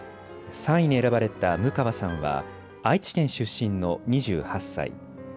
３位に選ばれた務川さんは愛知県出身の２８歳。